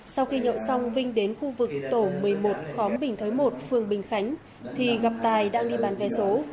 sau khi nhậu xong vinh đến khu vực tổ một mươi một khóm bình thới một phường bình khánh thì gặp tài đã đi bán vé số